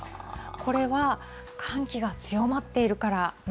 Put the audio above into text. これは寒気が強まっているからな